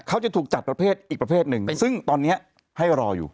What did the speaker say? เขาจะถูกจัดประเภทอีกประเภทหนึ่งซึ่งตอนนี้ให้รออยู่